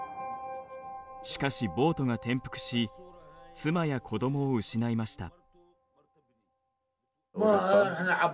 しかしボートが転覆し妻や子どもを失いました。